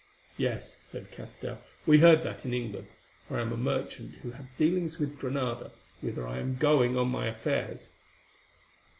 "Yes," said Castell, "we heard that in England, for I am a merchant who have dealings with Granada, whither I am going on my affairs."